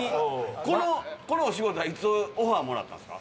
このこのお仕事はいつオファーもらったんですか？